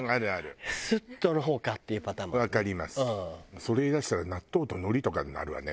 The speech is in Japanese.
それ言いだしたら納豆と海苔とかになるわねもうね。